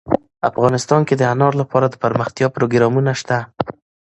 افغانستان کې د انار لپاره دپرمختیا پروګرامونه شته.